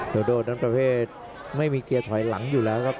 โดโดนั้นประเภทไม่มีเกียร์ถอยหลังอยู่แล้วครับ